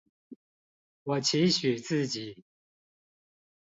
我期許自己